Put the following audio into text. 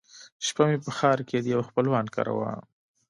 شپه مې په ښار کښې د يوه خپلوان کره وه.